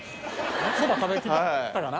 そば食べきったかな？